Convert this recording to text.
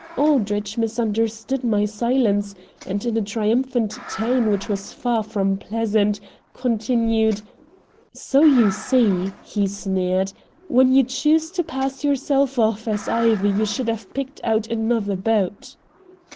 Aldrich misunderstood my silence, and in a triumphant tone, which was far from pleasant, continued: "So you see," he sneered, "when you chose to pass yourself off as Ivy you should have picked out another boat."